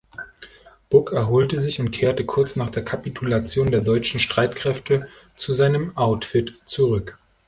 Buck erholte sich und kehrte kurz nach der Kapitulation der deutschen Streitkräfte zu seinem Outfit zurück.